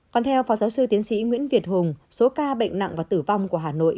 còn theo phó giáo sư tiến sĩ nguyễn việt hùng số ca bệnh nặng và tử vong của hà nội